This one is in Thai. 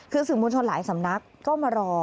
คือสื่อมวลชนหลายสำนักก็มารอ